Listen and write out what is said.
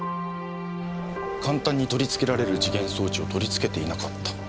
簡単に取り付けられる時限装置を取り付けていなかった。